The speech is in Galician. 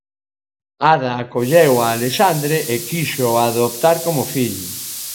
Ada acolleu a Alexandre e quíxoo adoptar como fillo.